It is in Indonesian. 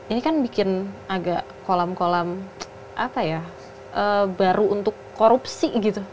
ini kan bikin agak kolam kolam apa ya baru untuk korupsi gitu